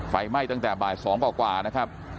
ไฟไหม้ตั้งแต่บ่าย๒กว่านะครับ